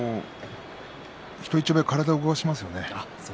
人一倍、体をよく動かしますね。